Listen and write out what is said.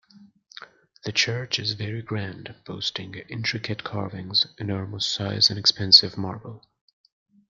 The church is very grand boasting intricate carvings, enormous size, and expensive marble.